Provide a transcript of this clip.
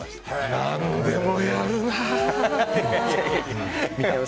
何でもやるな。